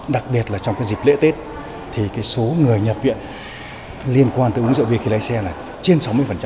đặc biệt là trong cái dịp lễ tết thì số người nhập viện liên quan tới uống rượu bia khi lái xe là trên sáu mươi